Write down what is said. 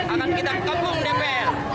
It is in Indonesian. akan kita kembung dpr